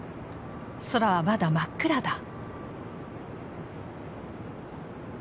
空はまだ真っ暗だ。